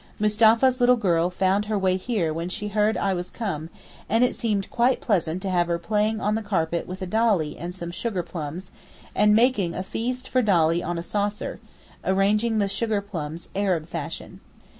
Mustapha's little girl found her way here when she heard I was come, and it seemed quite pleasant to have her playing on the carpet with a dolly and some sugar plums, and making a feast for dolly on a saucer, arranging the sugar plums Arab fashion.